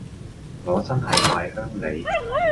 我真係大鄉里